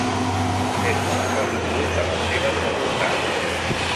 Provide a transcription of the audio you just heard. Conserva la plenitud de les seves facultats.